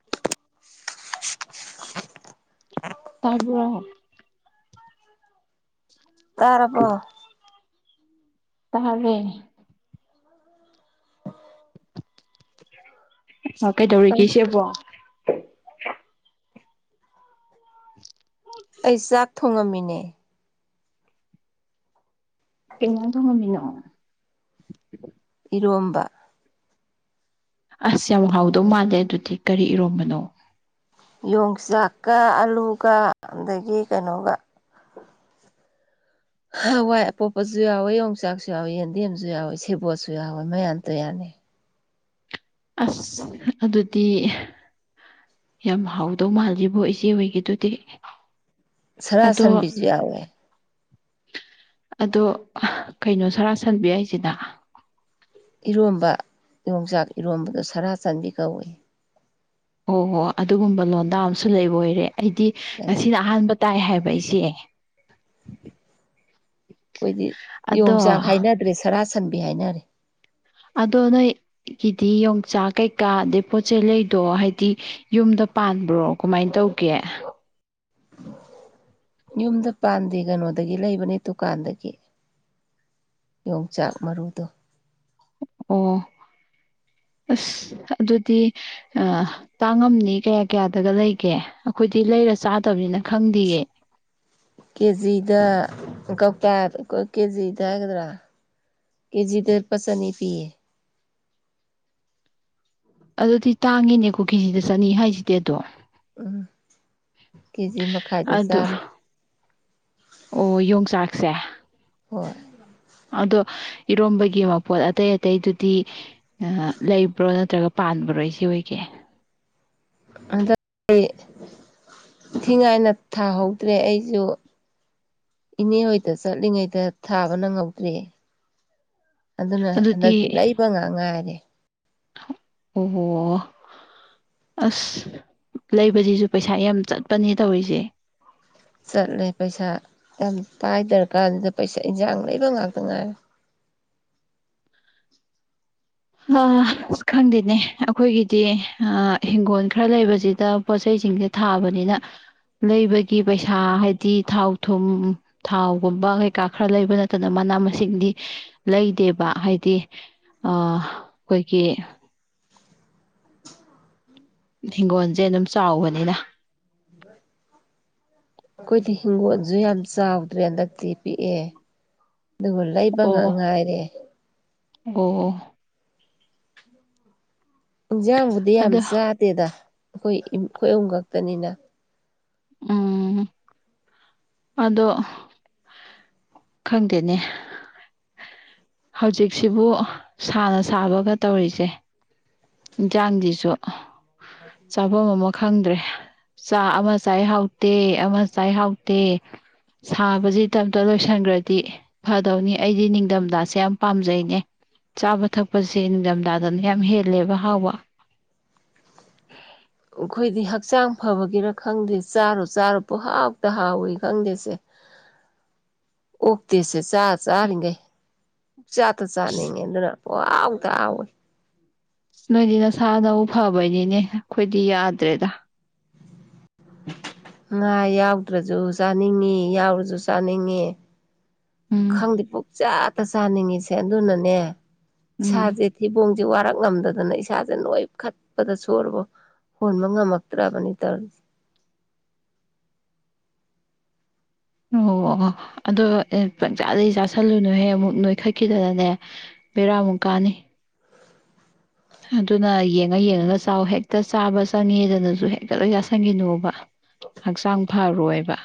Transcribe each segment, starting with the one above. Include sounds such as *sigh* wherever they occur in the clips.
*inaudible* ꯇꯥꯕꯔꯣ ꯇꯥꯔꯔꯕꯣ? ꯇꯥꯔꯦ ꯑ ꯀꯩꯗꯧꯔꯤꯒꯦ ꯏꯆꯦꯕꯣ ꯑꯩ ꯆꯥꯛ ꯊꯣꯡꯉꯝꯃꯤꯅꯦ꯫ ꯀꯩꯉꯥꯡ ꯊꯣꯡꯉꯝꯃꯤꯅꯣ? ꯏꯔꯣꯝꯕ꯫ ꯑꯁ ꯌꯥꯝ ꯍꯥꯎꯗꯧ ꯃꯥꯜꯂꯦ ꯑꯗꯨꯗꯤ ꯀꯔꯤ ꯏꯔꯣꯝꯕꯅꯣ? ꯌꯣꯡꯆꯥꯛꯀ ꯑꯂꯨꯒ ꯑꯗꯒꯤ ꯀꯩꯅꯣꯒ ꯋꯥꯏ ꯑꯄꯣꯛꯞꯄꯁꯨ ꯌꯥꯎꯋꯦ ꯌꯣꯡꯆꯥꯛꯁꯨ ꯌꯥꯎꯋꯦ ꯌꯦꯟꯗꯦꯝꯁꯨ ꯌꯥꯎꯋꯤ ꯁꯦꯕꯣꯠꯁꯨ ꯌꯥꯎꯋꯦ ꯃꯌꯥꯝ ꯇꯣ ꯌꯥꯅꯤ꯫ ꯑꯁ ꯑꯗꯨꯗꯤ ꯌꯥꯝ ꯍꯥꯎꯗꯧ ꯃꯥꯜꯂꯤꯔꯤꯕꯣ ꯏꯆꯦ ꯑꯣꯏꯒꯦꯗꯨꯗꯤ ꯁꯔꯁꯟꯕꯤꯁꯨ ꯌꯥꯎꯋꯦ ꯫ ꯑꯗꯣ ꯀꯩꯅꯣ ꯁꯥꯔ ꯁꯟꯕꯤ ꯍꯥꯏꯏꯁꯤꯅ ꯏꯔꯣꯝꯕ ꯌꯣꯡꯆꯥꯛ ꯏꯔꯣꯝꯕꯗ ꯁꯔꯥ ꯆꯥꯟꯕꯤ ꯀꯧꯏꯤ꯫ ꯑꯣꯍꯣ ꯑꯗꯨꯒꯨꯝꯕ ꯂꯣꯟꯗꯥ ꯑꯃꯁꯨ ꯂꯩꯕ ꯑꯣꯏꯔꯦ ꯑꯩꯗꯤ ꯂꯩ ꯉꯁꯤꯅ ꯑꯍꯥꯟꯕ ꯇꯥꯏ ꯍꯥꯏꯕ ꯏꯆꯦ꯫ ꯑꯩꯈꯣꯏꯗꯤ ꯑꯗꯣ ꯌꯣꯡꯆꯥꯛ ꯍꯥꯏꯅꯗ꯭ꯔꯦ ꯁꯔꯥ ꯁꯟꯕꯤ ꯍꯥꯏꯅꯔꯦ ꯑꯗꯣ ꯅꯣꯢ ꯀꯗꯤ ꯌꯣꯡꯆꯥꯛ ꯀꯩꯀꯥ ꯑꯗꯩ ꯄꯣꯠꯆꯩ ꯂꯩꯗꯣ ꯍꯥꯏꯗꯤ ꯌꯨꯝꯗ ꯄꯥꯟꯕ꯭ꯔꯣ? ꯀꯃꯥꯏꯅ ꯇꯧꯒꯦ꯫ ꯌꯨꯝꯗ ꯄꯥꯟꯗꯦ ꯀꯩꯅꯣꯗꯒꯤ ꯂꯩꯕꯅꯦ ꯗꯨꯀꯥꯟꯗꯒꯤ ꯌꯣꯡꯆꯥꯛ ꯃꯔꯨꯗꯣ ꯑꯣ ꯑꯁ ꯑꯗꯨꯗꯤ ꯑ ꯇꯥꯡꯉꯝꯅꯤ ꯀꯌꯥ ꯀꯌꯥꯗꯒ ꯂꯩꯒꯦ ꯑꯩꯈꯣꯏꯗꯤ ꯂꯩꯔ ꯆꯥꯗꯕꯅꯤꯅ ꯈꯪꯗꯦꯌꯦ꯫ ꯀꯦꯖꯤꯗ ꯀꯧꯇꯥ ꯀꯦꯖꯤꯗ ꯍꯥꯏꯒꯗ꯭ꯔꯥ? ꯀꯦꯖꯤꯗꯔ ꯂꯨꯄꯥ ꯆꯅꯤ ꯄꯤꯌꯦ꯫ ꯑꯗꯨꯗꯤ ꯇꯥꯡꯉꯤꯅꯦꯀꯣ ꯀꯦꯖꯤꯗ ꯆꯅꯤ ꯍꯥꯏꯁꯤꯗꯤ ꯑꯗꯣꯝ ꯎꯝ ꯀꯦꯖꯤ ꯃꯈꯥꯏꯗ ꯑꯗꯣ ꯆꯥꯝꯃ ꯑꯣ ꯌꯣꯡꯆꯥꯛꯁꯦ꯫ ꯍꯣꯏ ꯑꯗꯣ ꯏꯔꯣꯝꯕꯒꯤ ꯃꯄꯣꯠ ꯑꯇꯩ ꯑꯇꯩꯗꯨꯗꯤ ꯂꯩꯕ꯭ꯔꯣ ꯅꯠꯇ꯭ꯔꯒ ꯄꯥꯟꯕ꯭ꯔꯣ ꯏ ꯁꯤ ꯑꯣꯏꯒꯦ꯫ ꯑꯗꯨ ꯑꯩ ꯏꯊꯤꯉꯥꯏꯅ ꯊꯥꯍꯧꯗ꯭ꯔꯦ ꯑꯩꯁꯨ ꯏꯅꯦ ꯍꯣꯏꯗ ꯆꯠꯂꯤꯉꯩꯗ ꯊꯥꯕ ꯅꯪ ꯉꯧꯗ꯭ꯔꯦ ꯑꯗꯨꯅ ꯑꯗꯨꯗꯤ ꯍꯟꯗꯛꯇꯤ ꯂꯩꯕ ꯉ ꯉꯥꯏꯔꯦ ꯑꯣ ꯑꯁ ꯂꯩꯕꯁꯤꯁꯨ ꯄꯩꯁꯥ ꯌꯥꯝ ꯆꯠꯄꯅꯦ ꯇꯧꯔꯤꯁꯦ ꯆꯠꯂꯦ ꯄꯩꯁꯥ ꯌꯥꯝ ꯄꯥꯏ ꯗꯔꯀꯥꯟꯗꯨꯗ ꯄꯩꯁꯥ ꯏꯟꯁꯥꯡ ꯂꯩꯕ ꯉꯥꯛꯇ ꯉꯥꯏꯔꯦ ꯑꯁ ꯈꯪꯗꯦꯅꯦ ꯑꯩꯈꯣꯏꯒꯤꯗꯤ ꯏꯤꯡꯈꯣꯜ ꯈꯔ ꯂꯩꯕꯁꯤꯗ ꯄꯣꯠ ꯆꯩꯁꯤꯡꯁꯦ ꯊꯥꯕꯅꯤꯅ ꯂꯩꯕꯒꯤ ꯄꯩꯁꯥ ꯍꯥꯏꯗꯤ ꯊꯥꯎ ꯊꯨꯝ ꯊꯥꯎꯒꯨꯝꯕ ꯀꯩꯀꯥ ꯈꯔ ꯂꯩꯕ ꯅꯠꯇꯅ ꯃꯅꯥ ꯃꯁꯤꯡꯗꯤ ꯂꯩꯗꯦꯕ ꯍꯥꯏꯗꯤ ꯑ ꯑꯩꯈꯣꯏꯒꯤ ꯍꯤꯡꯒꯣꯜꯁꯦ ꯑꯗꯨꯝ ꯆꯥꯎꯕꯅꯤꯅ ꯑꯩꯈꯣꯏꯗꯤ ꯍꯤꯡꯒꯣꯜꯁꯨ ꯌꯥꯝ ꯆꯥꯎꯗ꯭ꯔꯦ ꯍꯟꯗꯛꯇꯤ ꯄꯤꯛꯑꯦ ꯑꯗꯨꯒ ꯂꯩ ꯕ ꯉꯥꯡ ꯑꯣ ꯉꯥꯏꯔꯦ ꯑꯣ ꯏꯟꯖꯥꯡꯕꯨꯗꯤ ꯌꯥꯝ ꯑꯗꯣ ꯆꯥꯗꯦꯗ ꯑꯩꯈꯣꯏ ꯑꯩꯈꯣꯏ ꯑꯍꯨꯝ ꯈꯛꯇꯅꯤꯅ ꯎꯝ ꯑꯗꯣ ꯈꯪꯗꯦꯅꯦ ꯍꯧꯖꯤꯛꯁꯤꯕꯨ ꯁꯥꯅ ꯁꯥꯕꯒ ꯇꯧꯔꯤꯁꯦ ꯏꯟꯁꯥꯡꯁꯤꯁꯨ ꯐ *unintelligible* ꯃꯐꯝ ꯑꯃ ꯈꯪꯗ꯭ꯔꯦ ꯆꯥꯛ ꯑꯃ ꯆꯥꯏ ꯍꯥꯎꯇꯦ ꯑꯃ ꯆꯥꯏ ꯍꯥꯎꯇꯦ ꯁꯥꯁꯦ ꯏꯇꯝꯇ ꯂꯣꯏꯁꯤꯟꯈ꯭ꯔꯗꯤ ꯐꯗꯧꯅꯤ ꯑꯩꯗꯤ ꯅꯤꯡꯊꯝꯗꯥ ꯁꯦ ꯌꯥꯝ ꯄꯥꯝꯖꯩꯅꯦ ꯆꯥꯕ ꯊꯛꯄꯁꯦ ꯅꯤꯡꯊꯝꯊꯥꯗꯅ ꯌꯥꯝ ꯍꯦꯜꯂꯦꯕ ꯍꯥꯎꯕ ꯑꯩꯈꯣꯏꯗꯤ ꯍꯛꯆꯥꯡ ꯐꯕꯒꯤꯔ ꯈꯪꯗꯦ ꯆꯥꯔꯨ ꯆꯥꯔꯨ ꯄꯨꯍꯥꯎꯇ ꯍꯥꯎꯏꯤ ꯈꯪꯗꯦꯁꯦ ꯎꯐꯛꯇꯁꯦꯁ ꯆꯥ ꯆꯥꯔꯤꯈꯩ ꯆꯥꯇ ꯆꯥꯅꯤꯡꯉꯦ ꯑꯗꯨꯅ ꯄꯥꯎ ꯇ ꯍꯥꯎꯋꯤ ꯅꯣꯏꯗꯤ ꯅꯁꯥꯅꯕꯨ ꯐꯕꯩꯅꯤꯅꯦ ꯑꯩꯈꯣꯏꯗꯤ ꯌꯥꯗ꯭ꯔꯦꯗ ꯉꯥ ꯌꯥꯎꯗ꯭ꯔꯁꯨ ꯆꯥꯅꯤꯡꯉꯤ ꯌꯥꯎꯔꯁꯨ ꯆꯥꯅꯤꯡꯉꯤ ꯎꯝ ꯈꯪꯗꯦ ꯄꯨꯛ ꯆꯥꯇ ꯆꯥꯅꯤꯡꯉꯤꯁꯦ ꯑꯗꯨꯅꯅꯦ ꯎꯝ ꯁꯥꯥꯁ ꯐꯤꯕꯣꯡꯁꯦ ꯋꯥꯔꯛ ꯉꯝꯗꯗꯅ ꯏꯁꯥꯁꯦ ꯂꯣꯏ ꯈꯠꯄꯗ ꯁꯣꯏꯔꯕꯣ ꯍꯣꯟꯕ ꯉꯝꯃꯛꯇ꯭ꯔꯕꯅꯤ ꯇꯔ ꯑꯣ ꯑꯗꯣ ꯑꯦ ꯄꯪꯆꯥꯥꯗꯒꯤꯩ ꯆꯥꯥꯁꯜꯂꯨꯅꯨꯍꯦ ꯑꯃꯨꯛ ꯅꯣꯏꯈꯠꯈꯤꯗꯅꯅꯦ ꯕꯦꯔꯥ ꯃꯨꯀꯥꯅꯤ ꯑꯗꯨꯅ ꯌꯦꯡꯉ ꯌꯦꯡꯉꯒ ꯆꯥꯎ ꯍꯦꯛꯇ ꯆꯥꯕ ꯆꯪꯉꯦꯗꯅꯁꯨ ꯍꯦꯛꯇ ꯂꯣꯏ ꯌꯥꯁꯟꯈꯤꯅꯣꯕ ꯍꯛꯆꯥꯡ ꯐꯔꯣꯏꯕ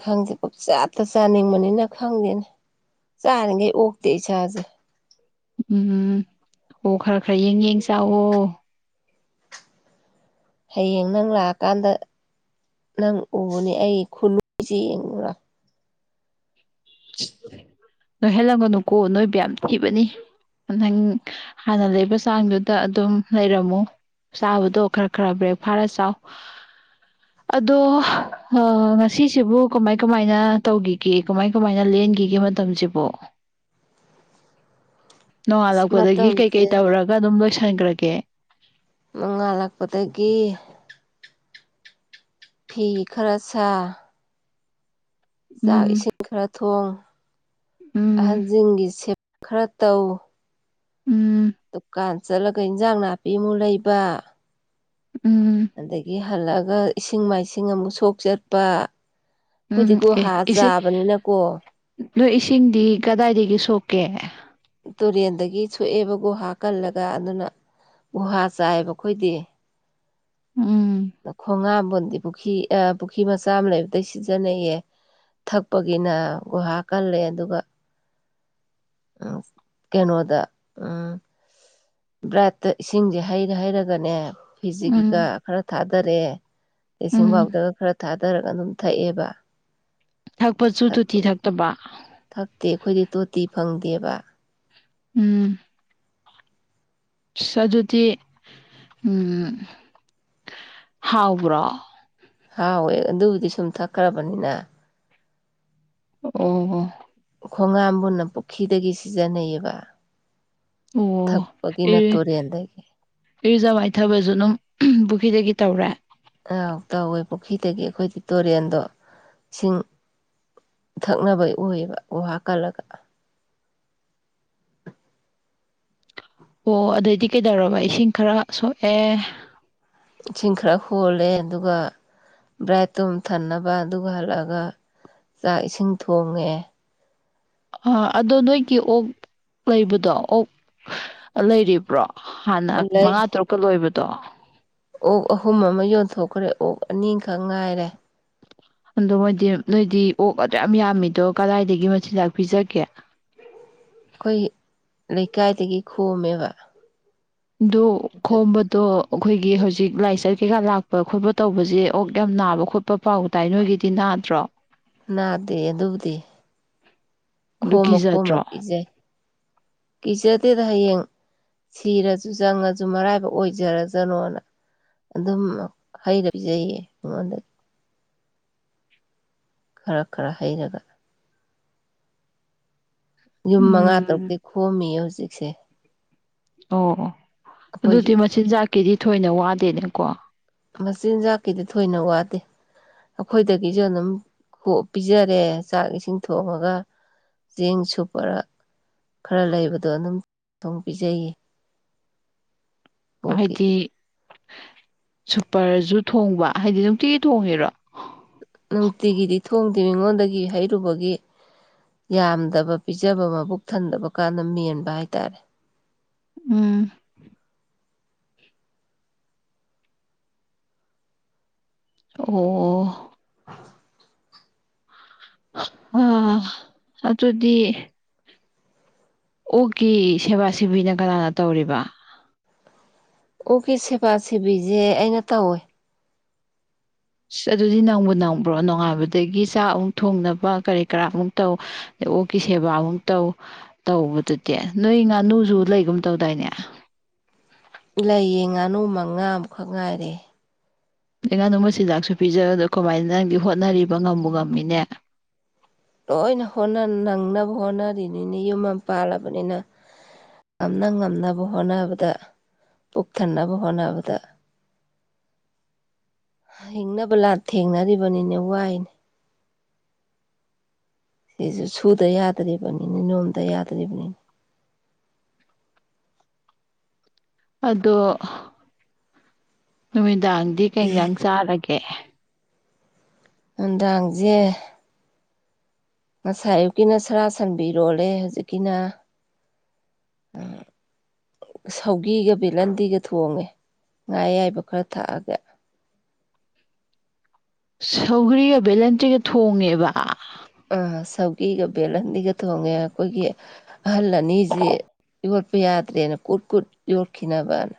ꯈꯪꯗꯦ ꯄꯞ ꯆꯥꯠꯇ ꯆꯥꯅꯤꯡꯕꯅꯤꯅ ꯈꯪꯗꯦꯅꯦ ꯆꯥꯔꯤꯉꯩ ꯑꯣꯛꯇꯦ ꯏꯁꯥꯁꯦ ꯎꯝ ꯑꯣ ꯈꯔ ꯈꯔ ꯌꯦꯡ ꯌꯦꯡ ꯆꯥꯛꯑꯣ ꯍꯌꯦꯡ ꯅꯪ ꯂꯥꯛꯑꯀꯥꯟꯗ ꯅꯪ ꯎꯕꯅꯦ ꯑꯩ ꯈꯨꯟꯁꯤꯦ ꯌꯦꯡꯉꯨꯔ *inaudible* ꯅꯣꯏꯍꯜꯂꯝꯒꯅꯨꯀꯣ ꯅꯣꯏꯕ ꯌꯥꯝ ꯊꯤꯕꯅꯤ ꯅꯪ ꯍꯥꯟꯅ ꯂꯩꯕ ꯆꯥꯡꯗꯨꯗ ꯑꯗꯨꯝ ꯂꯩꯔꯝꯃꯨ ꯆꯥꯕꯗꯣ ꯈꯔ ꯈꯔ ꯕ꯭ꯔꯦꯛ ꯐꯥꯔ ꯆꯥꯎ ꯑꯗꯣ ꯉꯁꯤꯁꯤꯕꯨ ꯀꯃꯥꯏ ꯀꯃꯥꯏꯅ ꯇꯧꯈꯤꯒꯦ ꯀꯃꯥꯏ ꯀꯃꯥꯏꯅ ꯂꯦꯟꯈꯤꯒꯦ ꯃꯇꯝꯁꯤꯕꯣ ꯑꯁ ꯅꯣꯡꯉꯥꯜꯂꯛꯄꯗꯒꯤ ꯀꯩ ꯃꯇꯝꯁꯦ ꯀꯩ ꯇꯧꯔꯒ ꯑꯗꯨꯝ ꯂꯣꯏꯁꯤꯟꯈ꯭ꯔꯒꯦ ꯅꯣꯉꯥꯜꯂꯛꯄꯗꯒꯤ ꯐꯤ ꯈꯔ ꯁꯥ ꯆꯥꯛ ꯎꯝ ꯏꯁꯤꯡ ꯈꯔ ꯊꯣꯡ ꯎꯝ ꯑꯍꯟꯁꯤꯡꯒꯤꯒꯤ ꯁꯦꯕꯥ ꯈꯔ ꯇꯧ ꯎꯝ ꯗꯨꯀꯥꯟ ꯆꯠꯂꯒ ꯏꯟꯖꯥꯡ ꯅꯥꯄꯤꯃꯨꯛ ꯂꯩꯕ ꯎꯝ ꯑꯗꯒꯤ ꯍꯜꯂꯛꯑꯒ ꯏꯁꯤꯡ ꯃꯥꯏꯁꯤꯡ ꯑꯃꯨꯛ ꯁꯣꯛ ꯆꯠꯄ ꯎꯝ ꯑꯩꯈꯣꯏꯗꯤ ꯑꯦ ꯒꯨꯍꯥ ꯏꯁꯤꯡ ꯆꯥꯕꯅꯤꯅ ꯀꯣ ꯅꯣꯏ ꯏꯁꯤꯡꯗꯤ ꯀꯗꯥꯏꯗꯒꯤ ꯁꯣꯛꯀꯦ ꯇꯨꯔꯦꯟꯗꯒꯤ ꯁꯣꯛꯑꯦꯕ ꯒꯨꯍꯥ ꯀꯜꯂꯒ ꯑꯗꯨꯅ ꯒꯨꯍꯥ ꯆꯥꯏꯕ ꯑꯩꯈꯣꯏꯗꯤ ꯎꯝ ꯈꯣꯡ ꯍꯥꯝꯕꯣꯟꯗꯤ ꯄꯨꯈ꯭ꯔꯤ ꯑ ꯄꯨꯈ꯭ꯔꯤ ꯃꯆꯥ ꯑꯃ ꯂꯩꯕꯗꯩ ꯁꯤꯖꯤꯟꯅꯩꯌꯦ ꯊꯛꯄꯒꯤꯅ ꯒꯨꯍꯥ ꯀꯜꯂꯦ ꯑꯗꯨꯒ ꯀꯩꯅꯣꯗ ꯑ ꯕ꯭ꯔꯥꯠꯇ ꯏꯁꯤꯡꯁꯦ ꯍꯩꯔ ꯍꯩꯔꯒꯅꯦ ꯐꯤꯖꯤꯒꯤ ꯒꯥ ꯎꯝ ꯈꯔ ꯊꯥꯗꯔꯦ ꯎꯝ ꯕ꯭ꯂꯤꯆꯤꯡꯄꯥꯎꯗꯔꯒ ꯈꯔ ꯊꯥꯗꯔꯒ ꯑꯗꯨꯝ ꯊꯛꯑꯦꯕ ꯊꯛꯄꯁꯨ ꯇꯣꯇꯤ ꯊꯛꯄꯒꯤ ꯊꯛꯇꯕ ꯊꯛꯇꯦ ꯑꯩꯈꯣꯏꯗꯤ ꯇꯣꯇꯤ ꯐꯪꯗꯦꯕ ꯎꯝ ꯑꯁ ꯑꯗꯨꯗꯤ ꯎꯝ ꯍꯥꯎꯕ꯭ꯔꯣ ꯍꯥꯎꯋꯦ ꯑꯗꯨꯕꯨꯗꯤ ꯁꯨꯝ ꯊꯛꯈ꯭ꯔꯕꯅꯤꯅ ꯑꯣ ꯈꯣꯡꯒꯥꯝꯕꯨꯅ ꯄꯨꯈ꯭ꯔꯤꯗꯒꯤ ꯁꯤꯖꯤꯟꯅꯩꯌꯦꯕ ꯊꯛꯄꯒꯤꯅ ꯑꯣ ꯇꯨꯔꯦꯟꯗꯒꯤ ꯑꯦ ꯏ ꯔꯨꯖꯥꯕ ꯃꯥꯏꯊꯕꯁꯨ ꯑꯗꯨꯝ ꯄꯨꯈ꯭ꯔꯤꯗꯒꯤ ꯇꯧꯔꯦ ꯑ ꯇꯧꯋꯦ ꯄꯨꯈ꯭ꯔꯤꯗꯒꯤ ꯑꯩꯈꯣꯏꯗꯤ ꯇꯨꯔꯦꯟꯗꯣ ꯏꯁꯤꯡ ꯊꯛꯅꯕ ꯑꯣꯏꯌꯦꯕ ꯒꯨꯍꯥ ꯀꯜꯂꯒ ꯑꯣ ꯑꯗꯨꯗꯩꯗꯤ ꯀꯩꯗꯧꯔꯕ ꯏꯁꯤꯡ ꯈꯔ ꯁꯣꯛꯑꯦ ꯏꯁꯤꯡ ꯈꯔ ꯍꯣꯜꯂꯦ ꯑꯗꯨꯒ ꯕ꯭ꯔꯥꯏꯠ ꯇꯨꯝ ꯊꯟꯅꯕ ꯑꯗꯨꯒ ꯍꯜꯂꯛꯑꯒ ꯆꯥꯛ ꯏꯁꯤꯡ ꯊꯣꯡꯉꯦ ꯑ ꯑꯗꯣ ꯅꯣꯏꯒꯤ ꯑꯣꯛ ꯂꯩꯕꯗꯣ ꯑꯣꯛ ꯂꯩꯔꯤꯕ꯭ꯔꯣ ꯍꯥꯟꯅ ꯂꯩ ꯃꯉꯥ ꯇꯔꯨꯛꯀ ꯂꯣꯏꯕꯗꯣ ꯑꯣꯛ ꯑꯍꯨꯝ ꯑꯃ ꯌꯣꯟꯊꯣꯛꯈ꯭ꯔꯦ ꯑꯣꯛ ꯑꯅꯤꯈꯛ ꯉꯥꯏꯔꯦ ꯑꯗꯣ ꯃꯣꯏꯗꯤ ꯅꯣꯏꯗꯤ ꯑꯣꯛ ꯑꯗꯨꯛꯌꯥꯝ ꯌꯥꯝꯃꯤꯗꯣ ꯀꯗꯥꯏꯗꯒꯤ ꯃꯆꯤꯟꯖꯥꯛ ꯄꯤꯖꯒꯦ ꯑꯩꯈꯣꯏ ꯂꯩꯀꯥꯏꯗꯒꯤ ꯈꯣꯝꯃꯦꯕ ꯑꯗꯨ ꯈꯣꯝꯕꯗꯣ ꯑꯩꯈꯣꯏꯒꯤ ꯍꯧꯖꯤꯛ ꯂꯥꯏꯆꯠ ꯀꯩꯀꯥ ꯂꯥꯛꯄ ꯈꯣꯠꯄ ꯇꯧꯕꯁꯦ ꯑꯣꯛ ꯌꯥꯝ ꯅꯥꯕ ꯈꯣꯠꯄ ꯄꯥꯎ ꯇꯥꯏ ꯅꯣꯏꯒꯤꯗꯤ ꯅꯥꯗ꯭ꯔꯣ ꯅꯥꯗꯦꯌꯦ ꯑꯗꯨꯕꯨꯗꯤ ꯑꯗꯨ ꯈꯣꯝꯃ ꯈꯣꯝꯃ ꯀꯤꯖꯗ꯭ꯔꯣ ꯄꯤꯖꯩ ꯀꯤꯖꯗꯦꯗ ꯍꯩꯌꯦꯡ ꯁꯤꯔꯁꯨ ꯆꯪꯉꯁꯨ ꯃꯔꯥꯏꯕꯛ ꯑꯣꯏꯖꯔꯖꯅꯣꯅ ꯑꯗꯨꯝ ꯍꯩꯔ ꯄꯤꯖꯩꯌꯦ ꯑꯩꯉꯣꯟꯗ ꯈꯔ ꯈꯔ ꯍꯩꯔꯒ ꯌꯨꯝ ꯃꯉꯥ ꯎꯝ ꯇꯔꯨꯛꯇꯤ ꯈꯣꯝꯃꯤꯌꯦ ꯍꯧꯖꯤꯛꯁꯦ ꯑꯣ ꯑꯣ ꯑꯗꯨꯗꯤ ꯑꯩꯈꯣꯏꯒꯤ ꯃꯆꯤꯟꯖꯥꯛꯀꯤꯗꯤ ꯊꯣꯏꯅ ꯋꯥꯗꯦꯅꯦꯀꯣ ꯃꯆꯤꯟꯖꯥꯛꯀꯤꯗꯤ ꯊꯣꯏꯅ ꯋꯥꯗꯦ ꯑꯩꯈꯣꯏꯗꯒꯤꯁꯨ ꯑꯗꯨꯝ ꯄꯤꯖꯔꯦ ꯆꯥꯛ ꯏꯁꯤꯡ ꯊꯣꯡꯉꯒ ꯆꯦꯡ ꯁꯨꯞꯄꯔ ꯈꯔ ꯂꯩꯕꯗꯣ ꯑꯗꯨꯝ ꯊꯣꯡ ꯄꯤꯖꯩꯌꯦ *inaudible* ꯍꯥꯏꯗꯤ ꯁꯨꯄꯔꯁꯨ ꯊꯣꯡꯕ ꯍꯥꯏꯗꯤ ꯅꯨꯡꯇꯤꯒꯤ ꯊꯣꯡꯉꯤꯔꯣ ꯅꯨꯡꯇꯤꯒꯤꯗꯤ ꯊꯣꯡꯗꯦ ꯃꯤꯉꯣꯟꯗꯒꯤ ꯍꯩꯔꯨꯕꯒꯤ ꯌꯥꯝꯗꯕ ꯄꯤꯖꯕ ꯃꯕꯨꯛ ꯊꯟꯗꯕ ꯀꯥꯟꯗ ꯃꯦꯟꯕ ꯍꯥꯏꯇꯥꯔꯦ ꯎꯝ ꯑꯣ ꯑꯣ *unintelligible* ꯑ ꯑꯗꯨꯗꯤ ꯑꯣꯛꯀꯤ ꯁꯦꯕꯥ ꯁꯦꯕꯤꯅ ꯀꯅꯥꯅ ꯇꯧꯔꯤꯕ ꯑꯣꯛꯀꯤ ꯁꯦꯕꯥ ꯁꯦꯕꯤꯁꯦ ꯑꯩꯅ ꯇꯧꯋꯦ ꯑꯁ ꯑꯗꯨꯗꯤ ꯅꯪꯕꯨ ꯅꯪꯕ꯭ꯔꯣ ꯅꯣꯡꯉꯥꯟꯕꯗꯒꯤ ꯆꯥꯛ ꯑꯃꯨꯛ ꯊꯣꯡꯅꯕ ꯀꯔꯤ ꯀꯔꯥꯡ ꯑꯃꯨꯛ ꯇꯧ ꯑ ꯑꯣꯛꯀꯤ ꯁꯦꯕꯥ ꯑꯃꯨꯛ ꯇꯧ ꯇꯧꯕꯗꯨꯗꯤ ꯅꯣꯏ ꯉꯥꯅꯨꯁꯨ ꯂꯩꯒꯨꯝ ꯇꯧꯗꯥꯏꯅꯦ ꯂꯩꯌꯦ ꯉꯥꯅꯨ ꯃꯉꯥꯃꯨꯈꯛ ꯉꯥꯏꯔꯦ ꯑꯩꯉꯥꯗ ꯃꯆꯤꯟꯖꯥꯛꯁꯨ ꯄꯤꯖꯕꯗꯣ ꯀꯃꯥꯏꯅ ꯅꯪꯗꯤ ꯍꯣꯠꯅꯔꯤꯕ ꯉꯝꯝꯕ ꯉꯝꯃꯤꯅꯦ ꯂꯣꯏꯅ ꯍꯣꯠꯅ ꯅꯪꯅꯕ ꯍꯣꯠꯅꯔꯤꯅꯤꯅ ꯌꯨꯝ ꯑꯃ ꯄꯥꯜꯂꯕꯅꯤꯅ ꯉꯝꯅ ꯉꯝꯅꯕ ꯍꯣꯠꯅꯕꯗ ꯄꯨꯛꯊꯟꯅꯕ ꯍꯣꯠꯅꯕꯗ ꯍꯤꯡꯅꯕ ꯂꯥꯟꯊꯦꯡꯅꯔꯤꯕꯅꯤꯅꯦ ꯋꯥꯏꯅꯦ ꯁꯤꯁꯨ ꯁꯨꯗ ꯌꯥꯗ꯭ꯔꯤꯕꯅꯤꯅ ꯅꯣꯝꯗ ꯌꯥꯗ꯭ꯔꯤꯕꯅꯤꯅ ꯑꯗꯣ ꯅꯨꯃꯤꯗꯥꯡꯗꯤ ꯀꯩ ꯌꯦꯟꯁꯥꯡ ꯆꯥꯔꯒꯦ ꯉꯗꯥꯡꯁꯦ ꯉꯁꯥꯏ ꯑꯌꯨꯛꯀꯤꯅ ꯁꯔꯥ ꯁꯟꯕꯤ ꯏꯔꯣꯜꯂꯦ ꯍꯧꯖꯤꯛꯀꯤꯅ ꯁꯧꯒꯤꯒ ꯕꯤꯂꯟꯗꯤꯒ ꯊꯣꯡꯉꯦ ꯉꯥ ꯑꯌꯥꯏꯕ ꯈꯔ ꯊꯛꯑꯒꯦ ꯁꯧꯒ꯭ꯔꯤꯒ ꯚꯦꯂꯦꯟꯗ꯭ꯔꯤꯒ ꯊꯣꯡꯉꯦꯕ ꯑ ꯁꯧꯒꯤꯒ ꯕꯦꯂꯦꯟꯗ꯭ꯔꯤꯒ ꯊꯣꯡꯉꯦ ꯑꯩꯈꯣꯏꯒꯤ ꯑꯍꯜ ꯑꯅꯤꯁꯦ ꯌꯣꯠꯄ ꯌꯥꯗ꯭ꯔꯦꯅ ꯀꯨꯠ ꯀꯨꯠ ꯌꯣꯠꯈꯤꯅꯕꯅ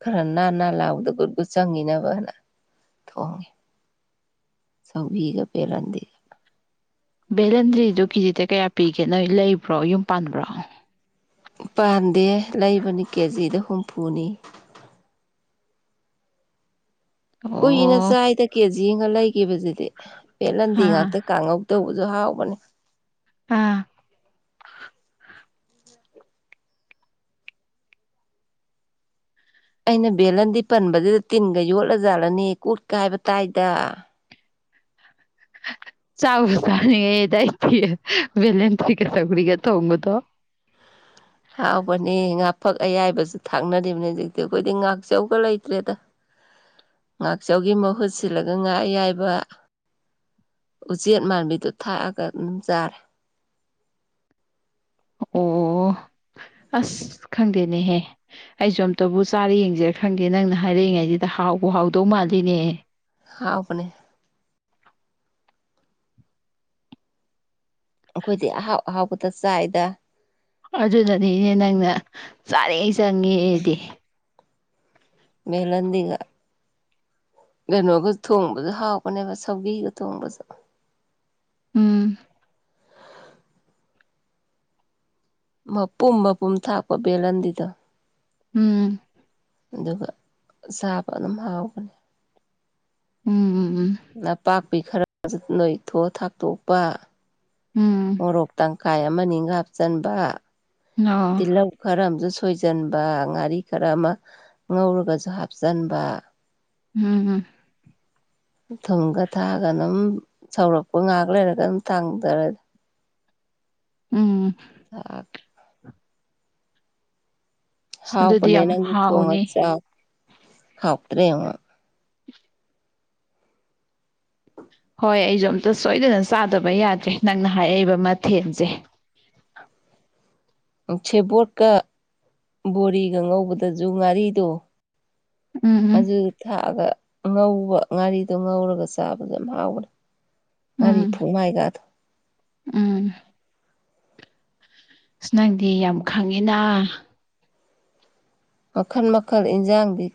ꯈꯔ ꯅꯥꯟ ꯅꯥꯟ ꯂꯥꯎꯕꯗ ꯒꯨꯠ ꯒꯨꯠ ꯆꯪꯉꯤꯅꯕꯅ ꯊꯣꯡꯉꯤ ꯁꯧꯒ꯭ꯔꯤꯒ ꯕꯦꯂꯦꯟꯗ꯭ꯔꯤꯒ ꯚꯦꯂꯦꯟꯗꯔꯤꯗꯨ ꯀꯦꯖꯤꯗ ꯀꯌꯥ ꯄꯤꯒꯦ ꯅꯣꯏ ꯂꯩꯕ꯭ꯔꯣ ꯌꯨꯝ ꯄꯥꯟꯕ꯭ꯔꯣ ꯄꯥꯟꯗꯦ ꯂꯩꯕꯅꯤ ꯀꯦꯖꯤꯗ ꯍꯨꯝꯐꯨꯅꯤ ꯀꯨꯏꯅ ꯑꯣ ꯆꯥꯏꯗ ꯀꯦꯖꯤ ꯑꯃꯒ ꯂꯩꯈꯤꯕꯁꯤꯗꯤ ꯕꯦꯂꯟꯗꯤ ꯑꯥ ꯉꯥꯛꯇ ꯀꯥꯡꯍꯧ ꯇꯧꯕꯁꯨ ꯍꯥꯎꯕꯅꯦ ꯑꯥ ꯑꯩꯅ ꯕꯦꯜꯂꯟꯗꯤ ꯄꯟꯕꯁꯤꯗ ꯇꯤꯟꯒ ꯌꯣꯠꯂꯖꯥꯠꯂꯅꯦ ꯀꯨꯠ ꯀꯥꯏꯕ ꯇꯥꯏꯗ ꯆꯥꯕꯨ ꯆꯥꯅꯤꯡꯉꯛꯑꯦꯗ ꯑꯩꯗꯤ ꯕꯦꯂꯦꯟꯗ꯭ꯔꯤꯒ ꯁꯧꯒ꯭ꯔꯤꯒ ꯊꯣꯡꯕꯗꯣ ꯍꯥꯎꯕꯅꯤ ꯉꯥꯐꯛ ꯑꯌꯥꯏꯕꯁꯨ ꯊꯥꯛꯅꯔꯤꯕꯅꯤ ꯍꯧꯖꯤꯛꯇꯤ ꯑꯩꯈꯣꯏꯗꯤ ꯉꯥꯛꯆꯧꯒ ꯂꯩꯇ꯭ꯔꯦꯗ ꯉꯥꯛꯆꯧꯒꯤ ꯃꯍꯨꯠ ꯁꯤꯜꯂꯒ ꯉꯥ ꯑꯌꯥꯏꯕ ꯎꯆꯦꯠ ꯃꯥꯟꯕꯤꯗꯨꯣ ꯊꯥꯛꯑꯒ ꯑꯗꯨꯝ ꯆꯥꯔꯦ ꯑꯣ ꯑꯁ ꯈꯪꯗꯦꯅꯦꯍꯦ ꯑꯩꯁꯨ ꯑꯝꯇꯕꯨ ꯆꯥꯔꯦ ꯌꯦꯡꯁꯦꯔ ꯈꯪꯗꯦ ꯅꯪꯅ ꯍꯥꯏꯔꯛꯏꯉꯩꯁꯤꯗ ꯍꯥꯎꯕ ꯍꯥꯎꯗꯧ ꯃꯥꯜꯂꯤꯅꯦ ꯍꯥꯥꯎꯕꯅꯦ ꯑꯩꯈꯣꯏꯗꯤ ꯑꯍꯥꯎ ꯑꯍꯥꯎꯕꯗ ꯆꯥꯏꯗ ꯑꯗꯨꯅꯅꯤꯅꯦ ꯅꯪꯅ ꯆꯥꯔꯦ ꯆꯪꯉꯦꯗꯤ ꯃꯦꯂꯗꯤꯒ ꯀꯩꯅꯣꯒ ꯊꯣꯡꯕꯗ ꯍꯥꯎꯄꯅꯦꯕ ꯁꯧꯒꯤꯒ ꯊꯣꯡꯕꯁꯨ ꯎꯝ ꯃꯄꯨꯝ ꯃꯄꯨꯝ ꯊꯥꯛꯄ ꯕꯦꯂꯟꯗꯤꯗꯣ ꯎꯝ ꯑꯗꯨꯒ ꯆꯥꯕ ꯑꯗꯨꯝ ꯍꯥꯎꯕꯅꯤ ꯎꯝ ꯎꯝ ꯎꯝ ꯅꯄꯥꯛꯄꯤ ꯈꯔꯁꯨ ꯅꯣꯏꯊꯣꯛ ꯊꯥꯛꯇꯣꯛꯄ ꯎꯝ ꯃꯣꯔꯣꯛ ꯇꯪꯈꯥꯏ ꯑꯃꯅꯤ ꯍꯥꯞꯆꯟꯕ ꯎꯝ ꯑꯣ ꯇꯤꯜꯍꯧ ꯈꯔ ꯑꯃꯁꯨ ꯁꯣꯏꯁꯤꯟꯕ ꯉꯥꯔꯤ ꯈꯔ ꯑꯃ ꯉꯧꯔꯒꯁꯨ ꯍꯥꯞꯆꯟꯕ ꯎꯝ ꯊꯨꯝꯒ ꯊꯥꯛꯑꯒ ꯑꯗꯨꯝ ꯁꯧꯔꯛꯄ ꯉꯍꯥꯛ ꯂꯩꯔꯒ ꯑꯗꯨꯝ ꯊꯥꯡꯊꯔ ꯎꯝ *unintelligible* ꯑꯁ ꯑꯗꯨꯗꯤ ꯍꯥꯎꯕꯅꯦ ꯌꯥꯝ ꯅꯪ ꯊꯣꯡꯉ ꯍꯥꯎꯅꯤ ꯆꯥꯎ ꯍꯥꯎꯇꯔꯥ ꯌꯦꯡꯉꯣ ꯍꯣꯏ ꯑꯩꯁꯨ ꯑꯝꯇ ꯁꯣꯏꯗꯅ ꯆꯥꯗꯕ ꯌꯥꯗ꯭ꯔꯦ ꯅꯪꯅ ꯍꯥꯏꯔꯛꯏꯕ ꯃꯊꯦꯜꯁꯦ ꯁꯦꯕꯣꯠꯀ ꯕꯣꯔꯤꯒ ꯉꯧꯕꯗꯁꯨ ꯉꯥꯔꯤꯗꯣ ꯎꯝ ꯎꯝ ꯑꯗꯨ ꯊꯥꯛꯑꯒ ꯉꯧꯕ ꯉꯥꯔꯤꯗꯣ ꯉꯧꯔꯒ ꯆꯥꯕꯗ ꯌꯥꯝ ꯍꯥꯎꯕꯅꯤ ꯉꯥꯔꯤ ꯎꯝ ꯐꯨꯃꯥꯏꯒꯗ ꯎꯝ ꯅꯪꯗꯤ ꯌꯥꯝ ꯈꯪꯉꯤꯅ ꯃꯈꯜ ꯃꯈꯜ ꯏꯟꯖꯥꯡꯗꯤ